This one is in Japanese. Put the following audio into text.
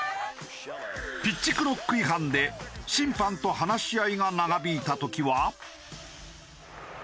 ピッチクロック違反で審判と話し合いが長引いた時は。